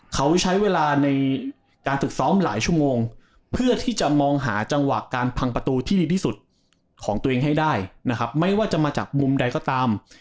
เขาใช้เวลาในการฝึกซ้อมหลายชั่วโมงเพื่อที่จะมองหาจังหวะการพังประตูที่ดีที่สุดของตัวเองให้ได้นะครับไม่ว่าจะมาจากมุมใดก็ตาม